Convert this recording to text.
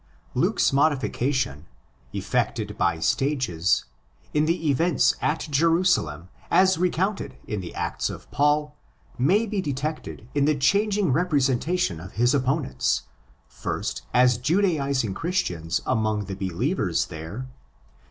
Luke's modification, effected by stages, in the events at Jerusalem as recounted in the Acts of Paul, may be detected in the changing representation of his opponents, first as Judaising Christians among the '' believers' there (xxi.